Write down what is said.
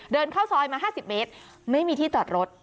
เดินเข้าซอยมา๕๐เมตรไม่มีที่จอดรถ